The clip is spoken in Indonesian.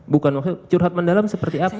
bukan maksudnya curhat mendalam seperti apa